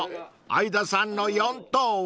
相田さんの４等は？］